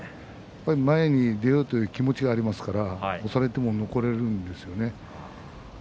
やっぱり前に出ようという気持ちがありますから押されても残れるんですね。